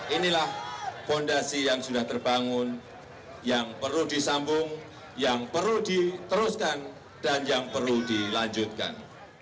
inilah fondasi yang sudah terbangun yang perlu disambung yang perlu diteruskan dan yang perlu dilanjutkan